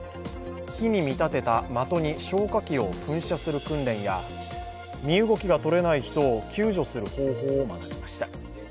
火に見立てた的に消火器を噴射する訓練や身動きがとれない人を救助する方法を学びました。